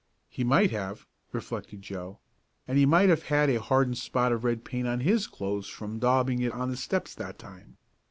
"He might have," reflected Joe, "and he might have had a hardened spot of red paint on his clothes from daubing it on the steps that time.